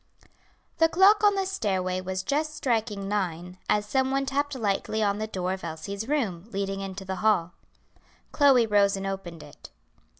The clock on the stairway was just striking nine, as some one tapped lightly on the door of Elsie's room, leading into the hall. Chloe rose and opened it.